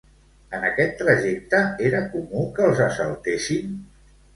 En aquests trajectes, era comú que els assaltessin?